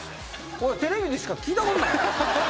テレビでしか聴いたことないわ。